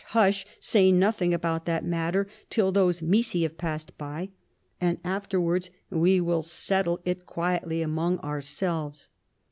hush I say nothing about that matter till those wissi have passed by, and afterwards we will settle it quietly among our selves.'